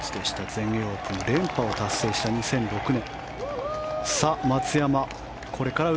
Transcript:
全英オープン連覇を達成した２００６年。